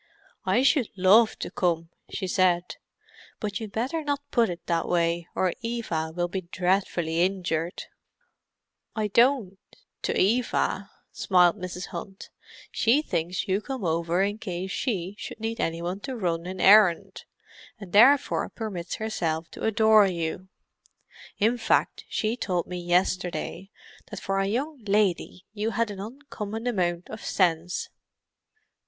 "I should love to come," she said. "But you'd better not put it that way, or Eva will be dreadfully injured." "I don't—to Eva," smiled Mrs. Hunt. "She thinks you come over in case she should need any one to run an errand, and therefore permits herself to adore you. In fact, she told me yesterday, that for a young lady you had an uncommon amount of sense!"